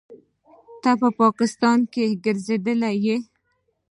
ته په پاکستان کښې ګرځېدلى يې.